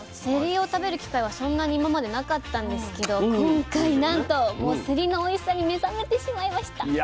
せりを食べる機会はそんなに今までなかったんですけど今回なんとせりのおいしさに目覚めてしまいました。